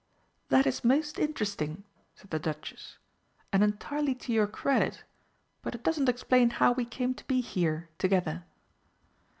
"That is most interesting," said the Duchess, "and entirely to your credit, but it doesn't explain how we came to be here together."